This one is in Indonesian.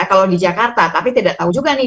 kalau di jakarta tapi tidak tahu juga nih